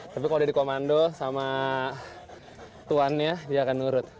tapi kalau dia dikomando sama tuannya dia akan nurut